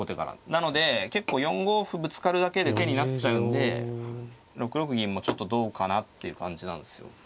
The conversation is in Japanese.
なので結構４五歩ぶつかるだけで手になっちゃうんで６六銀もちょっとどうかなっていう感じなんですよ。